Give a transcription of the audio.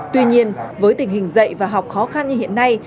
tuy nhiên với tình hình dạy và học khó khăn như hiện nay